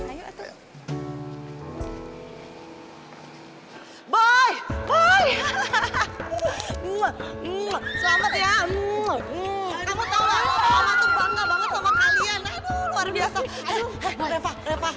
bye bye hahaha muah muah muah kamu tahu banget sama kalian luar biasa